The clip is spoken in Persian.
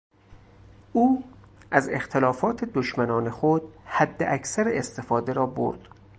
او از اختلاف دشمنان خود حداکثر استفاده را برد.